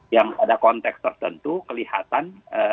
yang pada konteks tertentu kelihatan